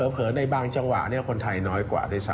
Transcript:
เผลอในบางจังหวะคนไทยน้อยกว่าด้วยซ้